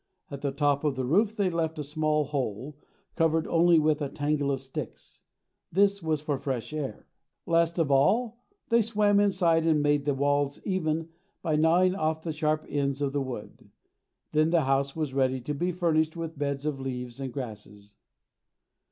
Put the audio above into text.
At the top of the roof they left a small hole, covered only with a tangle of sticks. This was for fresh air. Last of all they swam inside and made the walls even by gnawing off the sharp ends of the wood. Then the house was ready to be furnished with beds of leaves and grasses.